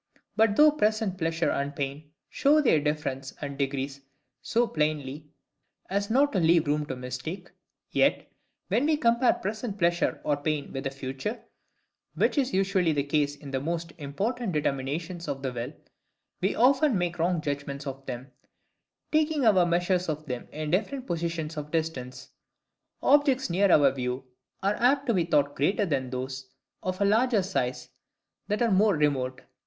But, though present pleasure and pain show their difference and degrees so plainly as not to leave room to mistake; yet, WHEN WE COMPARE PRESENT PLEASURE OR PAIN WITH FUTURE, (which is usually the case in most important determinations of the will,) we often make wrong judgments of them; taking our measures of them in different positions of distance. Objects near our view are apt to be thought greater than those of a larger size that are more remote.